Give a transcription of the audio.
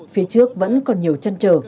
phía trước vẫn còn nhiều chăn trở